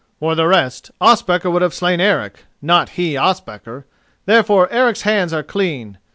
For the rest, Ospakar would have slain Eric, not he Ospakar, therefore Eric's hands are clean.